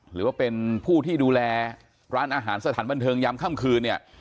หรือว่าเป็นผู้ที่ดูแลร้านอาหารสถานบันเทิงยามค่ำคืนเนี่ย